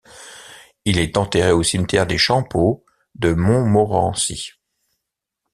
Il est enterré au Cimetière des Champeaux de Montmorency.